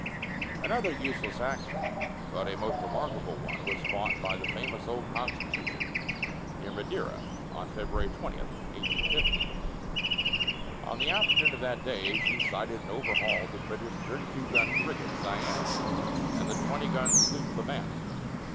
Another useless action, but a most remarkable one, was fought by the famous old Constitution, near Madeira, on February 20, 1815. On the afternoon of that day she sighted and overhauled the British 32 gun frigate Cyane and the 20 gun sloop Levant.